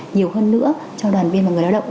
nhiều hơn nữa cho đoàn viên và người lao động